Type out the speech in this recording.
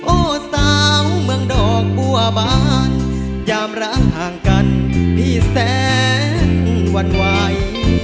โอ้สาวเมืองดอกบัวบานยามร้างห่างกันพี่แสนวั่นไหว